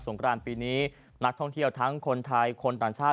งกรานปีนี้นักท่องเที่ยวทั้งคนไทยคนต่างชาติ